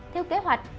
theo kế hoạch